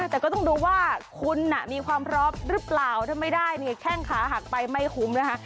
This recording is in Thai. แต่ก็ต้องดูว่าคุณมีความพร้อมหรือเปล่าถ้าไม่ได้เนี่ยแข้งขาหักไปไม่คุ้มนะคะ